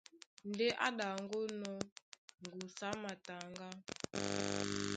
Ndé á ɗaŋgónɔ̄ ŋgusu á mataŋgá,